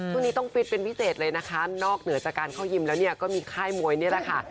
ช่วงนี้ต้องฟิตเป็นพิเศษเลยนะคะนอกเหนือจากการเข้ายิมแล้วเนี่ยก็มีค่ายมวยนี่แหละค่ะ